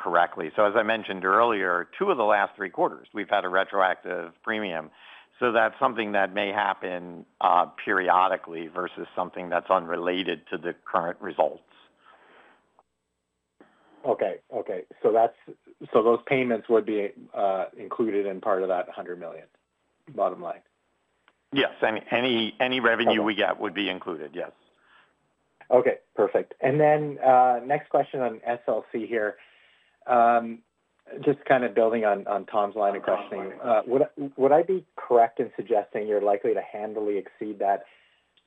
correctly. As I mentioned earlier, two of the last three quarters, we've had a retroactive premium. That's something that may happen periodically versus something that's unrelated to the current results. Okay. Okay. Those payments would be included in part of that $100 million bottom line? Yes. Any revenue we get would be included. Yes. Okay. Perfect. Next question on SLC here. Just kind of building on Tom's line of questioning, would I be correct in suggesting you're likely to handily exceed that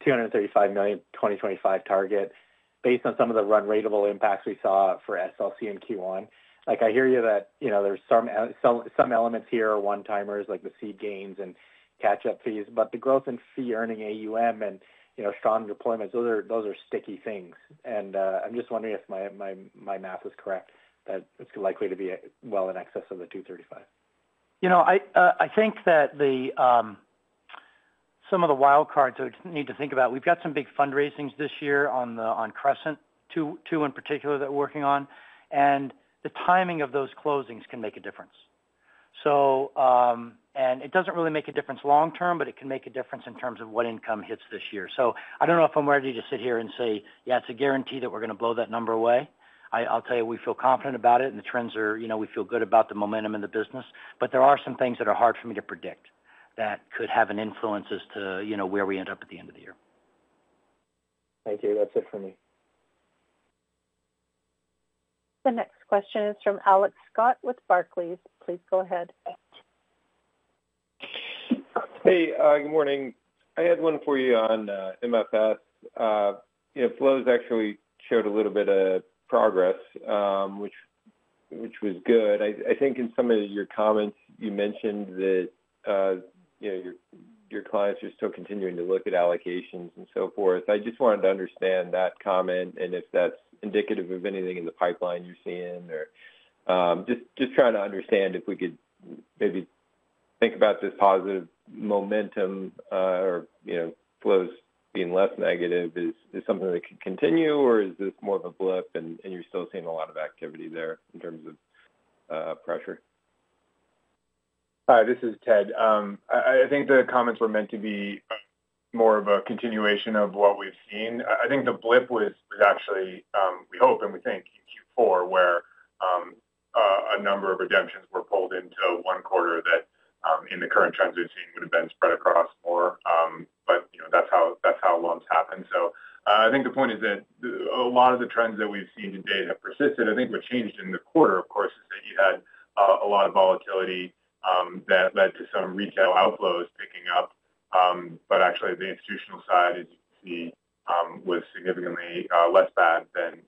235 million 2025 target based on some of the run-ratable impacts we saw for SLC in Q1? I hear you that there's some elements here, one-timers like the seed gains and catch-up fees. The growth in fee-earning AUM and strong deployments, those are sticky things. I'm just wondering if my math is correct that it's likely to be well in excess of the 235 million. I think that some of the wild cards I need to think about, we've got some big fundraisings this year on Crescent, two in particular that we're working on. The timing of those closings can make a difference. It does not really make a difference long term, but it can make a difference in terms of what income hits this year. I do not know if I'm ready to sit here and say, "Yeah, it's a guarantee that we're going to blow that number away." I'll tell you, we feel confident about it. The trends are, we feel good about the momentum in the business. There are some things that are hard for me to predict that could have an influence as to where we end up at the end of the year. Thank you. That's it for me. The next question is from Alex Scott with Barclays. Please go ahead. Hey. Good morning. I had one for you on MFS. Flows actually showed a little bit of progress, which was good. I think in some of your comments, you mentioned that your clients are still continuing to look at allocations and so forth. I just wanted to understand that comment and if that's indicative of anything in the pipeline you're seeing. Just trying to understand if we could maybe think about this positive momentum or flows being less negative as something that could continue, or is this more of a blip and you're still seeing a lot of activity there in terms of pressure? Hi, this is Ted. I think the comments were meant to be more of a continuation of what we've seen. I think the blip was actually, we hope and we think, in Q4 where a number of redemptions were pulled into one quarter that in the current trends we've seen would have been spread across more. That is how loans happen. I think the point is that a lot of the trends that we've seen today have persisted. I think what changed in the quarter, of course, is that you had a lot of volatility that led to some retail outflows picking up. Actually, the institutional side, as you can see, was significantly less bad than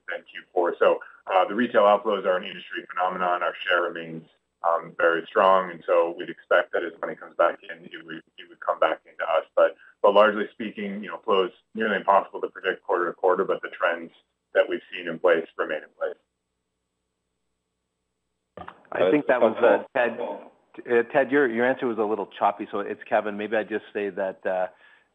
Q4. The retail outflows are an industry phenomenon. Our share remains very strong. We would expect that as money comes back in, it would come back into us. Largely speaking, flow's nearly impossible to predict quarter to quarter, but the trends that we've seen in place remain in place. I think that was Ted, your answer was a little choppy. So it's Kevin. Maybe I just say that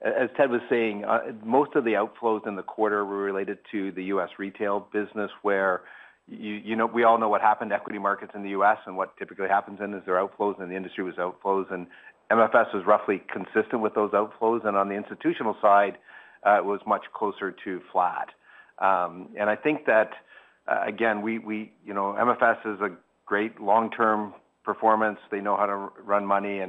as Ted was saying, most of the outflows in the quarter were related to the U.S. retail business where we all know what happened to equity markets in the U.S. and what typically happens is there are outflows and the industry was outflows. MFS was roughly consistent with those outflows. On the institutional side, it was much closer to flat. I think that, again, MFS has great long-term performance. They know how to run money.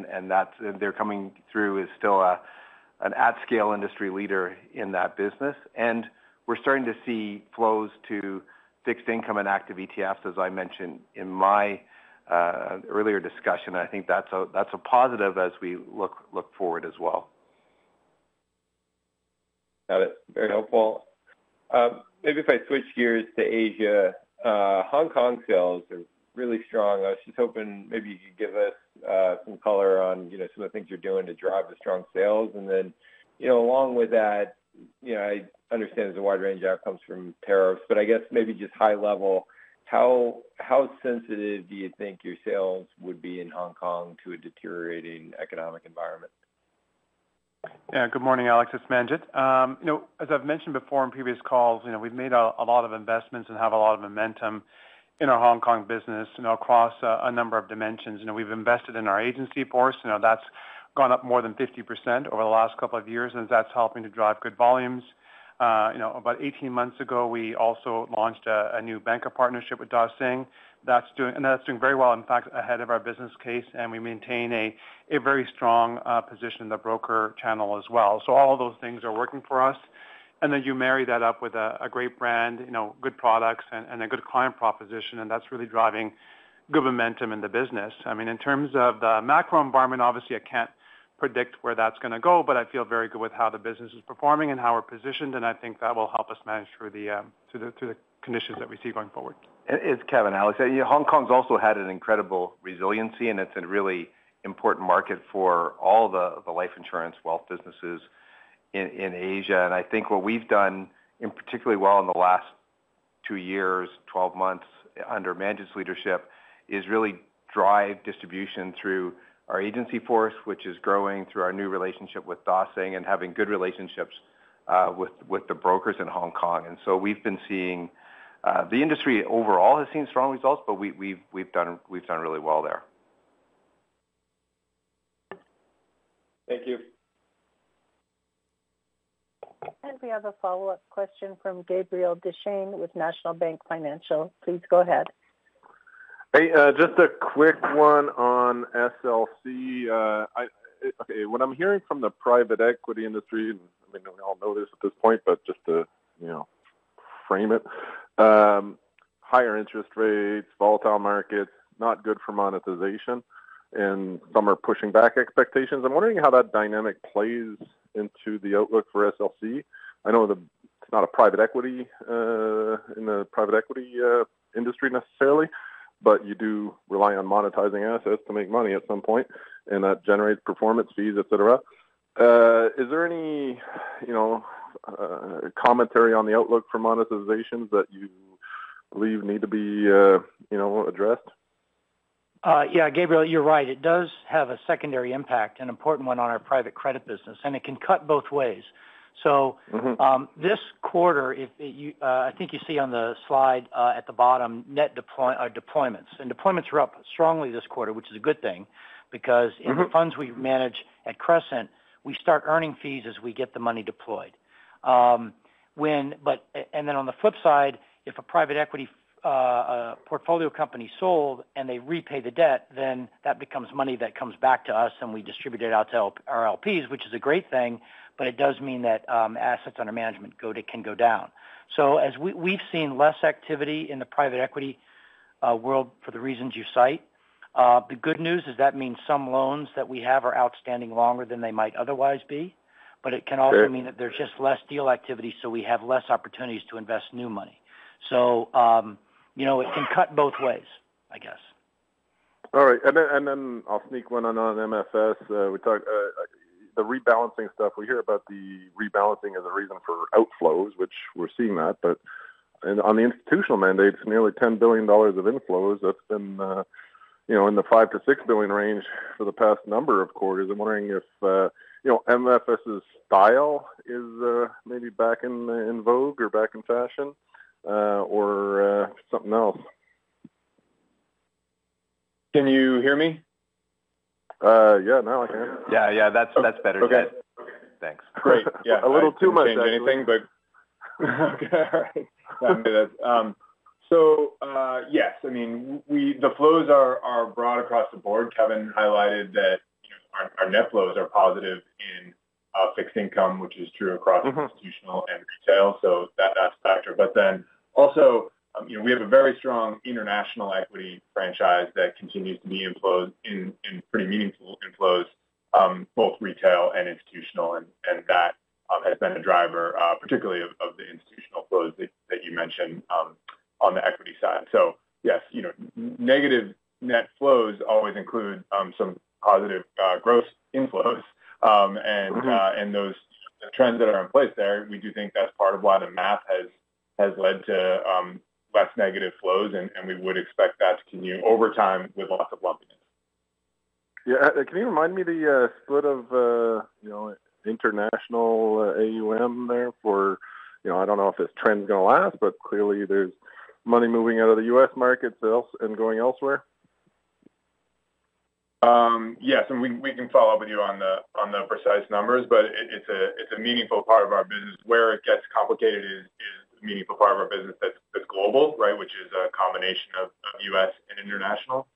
Their coming through is still an at-scale industry leader in that business. We're starting to see flows to fixed income and active ETFs, as I mentioned in my earlier discussion. I think that's a positive as we look forward as well. Got it. Very helpful. Maybe if I switch gears to Asia, Hong Kong sales are really strong. I was just hoping maybe you could give us some color on some of the things you're doing to drive the strong sales. Along with that, I understand there's a wide range of outcomes from tariffs. I guess maybe just high level, how sensitive do you think your sales would be in Hong Kong to a deteriorating economic environment? Yeah. Good morning, Alex. It's Manjit. As I've mentioned before in previous calls, we've made a lot of investments and have a lot of momentum in our Hong Kong business across a number of dimensions. We've invested in our agency ports. That's gone up more than 50% over the last couple of years. That's helping to drive good volumes. About 18 months ago, we also launched a new banker partnership with Dongxing. That's doing very well, in fact, ahead of our business case. We maintain a very strong position in the broker channel as well. All of those things are working for us. You marry that up with a great brand, good products, and a good client proposition. That's really driving good momentum in the business. I mean, in terms of the macro environment, obviously, I can't predict where that's going to go. I feel very good with how the business is performing and how we're positioned. I think that will help us manage through the conditions that we see going forward. It's Kevin, Alex. Hong Kong's also had an incredible resiliency. It is a really important market for all the life insurance wealth businesses in Asia. I think what we've done particularly well in the last two years, 12 months under Manjit's leadership, is really drive distribution through our agency force, which is growing through our new relationship with Dongxing and having good relationships with the brokers in Hong Kong. We have been seeing the industry overall has seen strong results, but we've done really well there. Thank you. We have a follow-up question from Gabriel Dechaine with National Bank Financial. Please go ahead. Just a quick one on SLC. Okay. What I'm hearing from the private equity industry, and I mean, we all know this at this point, but just to frame it, higher interest rates, volatile markets, not good for monetization. And some are pushing back expectations. I'm wondering how that dynamic plays into the outlook for SLC. I know it's not a private equity in the private equity industry necessarily, but you do rely on monetizing assets to make money at some point. And that generates performance fees, etc. Is there any commentary on the outlook for monetization that you believe need to be addressed? Yeah. Gabriel, you're right. It does have a secondary impact, an important one on our private credit business. It can cut both ways. This quarter, I think you see on the slide at the bottom, net deployments. Deployments are up strongly this quarter, which is a good thing because in the funds we manage at Crescent, we start earning fees as we get the money deployed. On the flip side, if a private equity portfolio company sold and they repay the debt, that becomes money that comes back to us. We distribute it out to our LPs, which is a great thing. It does mean that assets under management can go down. We have seen less activity in the private equity world for the reasons you cite. The good news is that means some loans that we have are outstanding longer than they might otherwise be. It can also mean that there's just less deal activity. We have less opportunities to invest new money. It can cut both ways, I guess. All right. I'll sneak one in on MFS. The rebalancing stuff, we hear about the rebalancing as a reason for outflows, which we're seeing that. On the institutional mandates, nearly $10 billion of inflows, that's been in the $5 billion-$6 billion range for the past number of quarters. I'm wondering if MFS's style is maybe back in vogue or back in fashion or something else. Can you hear me? Yeah. Now I can. Yeah. Yeah. That's better. Good. Okay. Okay. Thanks. Great. Yeah. A little too much change, anything, but. Okay. All right. Yeah. I'm good. Yes. I mean, the flows are broad across the board. Kevin highlighted that our net flows are positive in fixed income, which is true across institutional and retail. That is a factor. Also, we have a very strong international equity franchise that continues to be in pretty meaningful inflows, both retail and institutional. That has been a driver, particularly of the institutional flows that you mentioned on the equity side. Yes, negative net flows always include some positive gross inflows. Those trends that are in place there, we do think that is part of why the math has led to less negative flows. We would expect that to continue over time with lots of lumpiness. Yeah. Can you remind me the split of international AUM there for I don't know if this trend is going to last, but clearly there's money moving out of the U.S. market sales and going elsewhere? Yes. We can follow up with you on the precise numbers. It is a meaningful part of our business. Where it gets complicated is it is a meaningful part of our business that is global, right, which is a combination of US and international.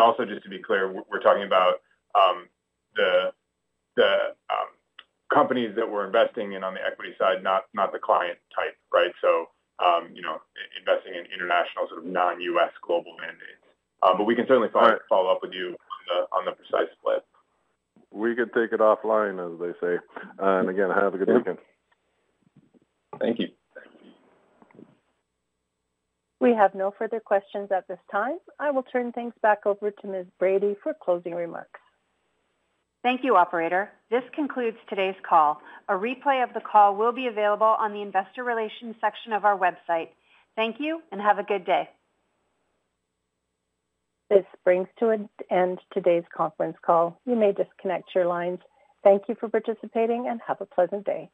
Also, just to be clear, we are talking about the companies that we are investing in on the equity side, not the client type, right? So investing in international sort of non-U.S. global mandates. We can certainly follow up with you on the precise split. We can take it offline, as they say. Again, have a good weekend. Thank you. We have no further questions at this time. I will turn things back over to Ms. Brady for closing remarks. Thank you, operator. This concludes today's call. A replay of the call will be available on the investor relations section of our website. Thank you and have a good day. This brings to an end today's conference call. You may disconnect your lines. Thank you for participating and have a pleasant day.